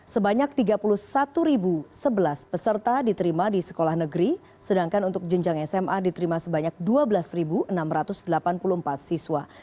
sebanyak tiga puluh satu sebelas peserta diterima di sekolah negeri sedangkan untuk jenjang sma diterima sebanyak dua belas enam ratus delapan puluh empat siswa